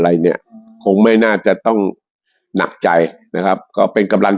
อะไรเนี่ยคงไม่น่าจะต้องหนักใจนะครับก็เป็นกำลัง